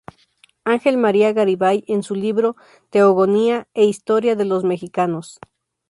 Ángel María Garibay en su libro "Teogonía e historia de los mexicanos.